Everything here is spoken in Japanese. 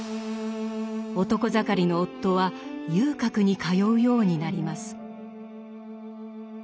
男盛りの夫は遊郭に通うようになります。